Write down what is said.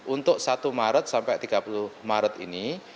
untuk satu maret sampai tiga puluh maret ini